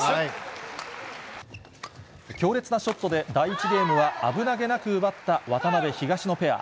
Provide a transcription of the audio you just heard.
強烈なショットで、第１ゲームは危なげなく奪った渡辺・東野ペア。